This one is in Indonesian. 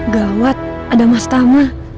gawat ada mas tama